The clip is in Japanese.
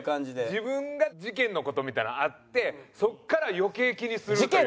自分が事件の事みたいなのあってそこから余計気にするというか。